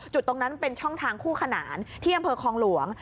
ตรงนั้นเป็นช่องทางคู่ขนานที่อำเภอคลองหลวง